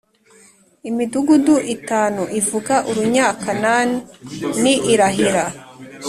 Imidugudu itanu ivuga urunyakan ni irahira